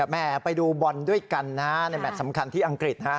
แม่ไปดูบอลด้วยกันนะในแมทสำคัญที่อังกฤษ